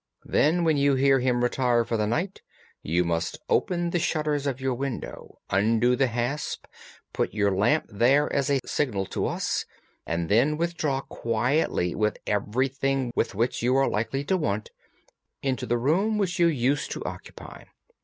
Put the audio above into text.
Then when you hear him retire for the night, you must open the shutters of your window, undo the hasp, put your lamp there as a signal to us, and then withdraw quietly with everything which you are likely to want into the room which you used to occupy.